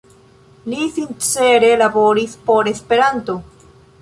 Li sincere laboris por Esperanto.